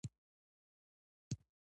مېلې د کورنیو تر منځ د میني اړیکي ټینګي.